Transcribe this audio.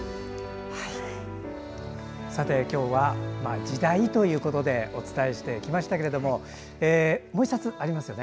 今日は「時代」ということでお伝えしてきましたけれどももう１冊ありますね。